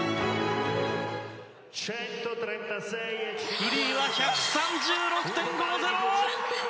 フリーは１３６．５０！